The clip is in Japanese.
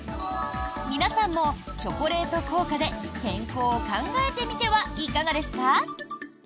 皆さんもチョコレート効果で健康を考えてみてはいかがですか？